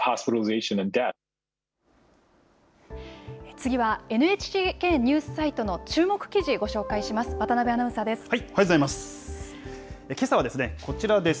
次は、ＮＨＫニュースサイトの注目記事、ご紹介します。